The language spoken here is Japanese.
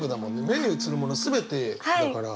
目に映るもの全てだから。